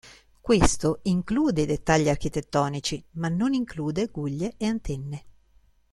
Questo include i dettagli architettonici, ma non include guglie e antenne.